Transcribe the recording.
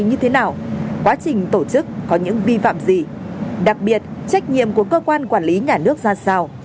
như thế nào quá trình tổ chức có những vi phạm gì đặc biệt trách nhiệm của cơ quan quản lý nhà nước ra sao